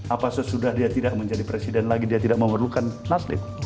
apa sesudah dia tidak menjadi presiden lagi dia tidak memerlukan atlet